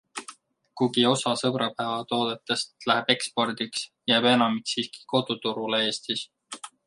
Kuigi osa sõbrapäevatoodetest läheb ekspordiks, jääb enamik siiski koduturule Eestis.